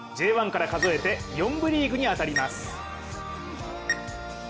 Ｊ１から数えて、４部リーグに当たります。